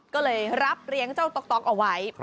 ก็เลยรับเลี้ยงเจ้าต๊อกเอาไว้